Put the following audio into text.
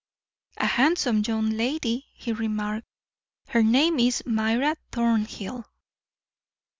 "A handsome young lady," he remarked; "her name is Myra Thornhill."